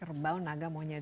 kerbau naga monyet